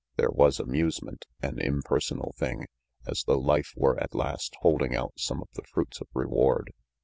There was amusement, an impersonal thing, as though life were at last holding out some of the fruits of reward.